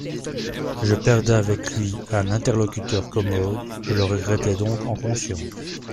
Je perdais avec lui un interlocuteur commode : je le regrettai donc en conscience.